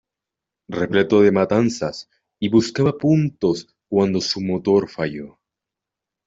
Repleto de matanzas, y buscaba puntos cuando su motor falló.